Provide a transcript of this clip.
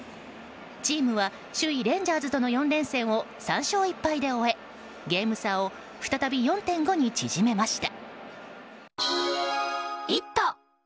チームは首位レンジャーズとの４連戦を３勝１敗で終え、ゲーム差を再び４．５に縮めました。